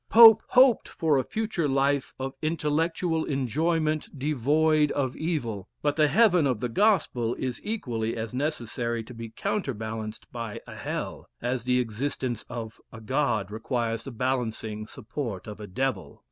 Pope "hoped" for a future life of intellectual enjoyment devoid of evil, but the heaven of the gospel is equally as necessary to be counterbalanced by a hell, as the existence of a God requires the balancing support of a devil.